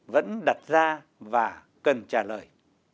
vẫn đặt ra và cần trả lời